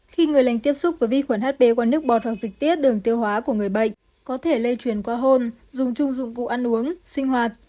khi người lành tiếp xúc với vi khuẩn hb qua nước bọt hoặc dịch tiết đường tiêu hóa của người bệnh có thể lây truyền qua hôn dùng chung dụng cụ ăn uống sinh hoạt